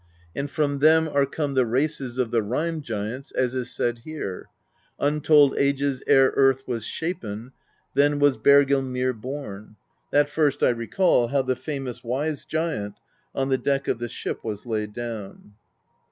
And from them are come the races of the Rime Giants, as is said here : Untold ages ere earth was shapen. Then was Bergelmir born; That first I recall, how the famous wise giant On the deck of the ship was laid down."